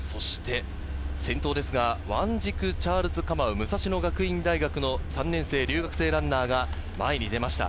先頭ですが、ワンジク・チャールズ・カマウ、武蔵野学院大学の３年生、留学生ランナーが前に出ました。